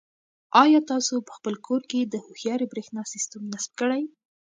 آیا تاسو په خپل کور کې د هوښیارې برېښنا سیسټم نصب کړی؟